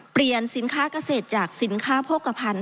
เปลี่ยนสินค้าเกษตรจากสินค้าโภคภัณฑ์